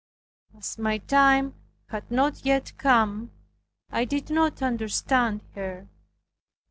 As my time had not yet come, I did not understand her.